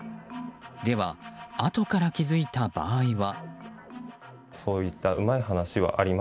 では、後から気付いた場合は？